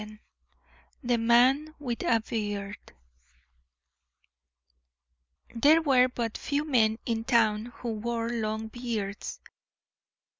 XI THE MAN WITH A BEARD There were but few men in town who wore long beards.